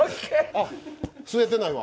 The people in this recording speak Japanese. あっ吸えてないわ。